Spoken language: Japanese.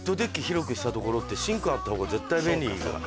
広くしたところってシンクあったほうが絶対便利いいから。